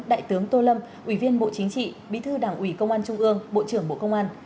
đại tướng tô lâm ủy viên bộ chính trị bí thư đảng ủy công an trung ương bộ trưởng bộ công an